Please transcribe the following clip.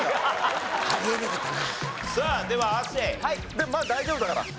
でもまだ大丈夫だから。